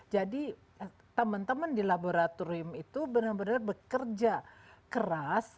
jadi teman teman di laboratorium itu benar benar bekerja keras